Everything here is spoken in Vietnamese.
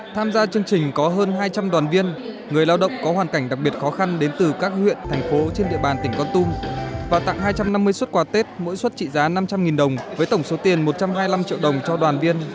tham gia chương trình có hơn hai trăm linh đoàn viên người lao động có hoàn cảnh đặc biệt khó khăn đến từ các huyện thành phố trên địa bàn tỉnh con tum và tặng hai trăm năm mươi xuất quà tết mỗi suất trị giá năm trăm linh đồng với tổng số tiền một trăm hai mươi năm triệu đồng cho đoàn viên